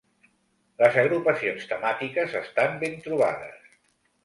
Les agrupacions temàtiques estan ben trobades.